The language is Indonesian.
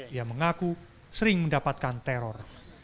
ia mengaku sering mendapatkan teror